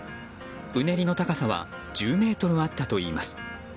うねりの高さは１０ｍあったといいます。